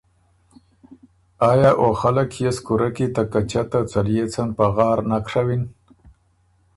آیا او خلق يې سو کُورۀ کی ته کچۀ ته څليېڅن پغار نک ڒوِن؟